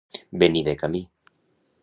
Venir de camí.